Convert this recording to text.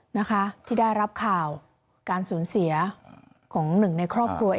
นะคะที่ได้รับข่าวการสูญเสียของหนึ่งในครอบครัวเอง